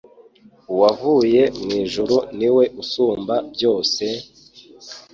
Uwavuye mw’ijuru ni we usumba byose….